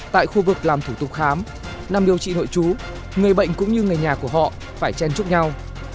tại khu vực làm thủ tục khám nằm điều trị nội chú người bệnh cũng như người nhà của họ phải chen chúc nhau